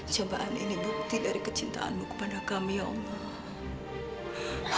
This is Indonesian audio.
cobaan ini bukti dari kecintaanmu kepada kami ya allah